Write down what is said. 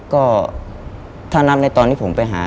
ก็ถ้านับในตอนที่ผมไปหา